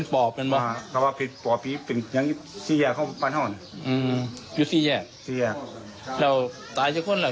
ฟังเสียงชาวบ้านค่ะ